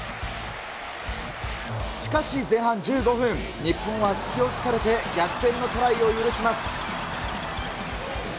しかし前半１５分、日本は隙をつかれて、逆転のトライを許します。